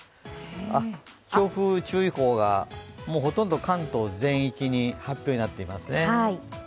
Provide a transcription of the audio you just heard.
強風注意報がほとんど関東全域に発表になってますね。